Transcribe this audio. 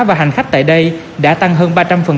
và hành khách tại đây đã tăng hơn ba trăm linh